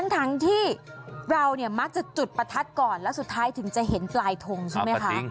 ทั้งที่เราเนี่ยมักจะจุดประทัดก่อนแล้วสุดท้ายถึงจะเห็นปลายทงใช่ไหมคะ